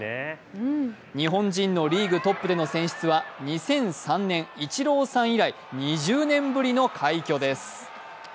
日本人のリーグトップでの選出は２００３年、イチローさん以来２０年ぶりの快挙です。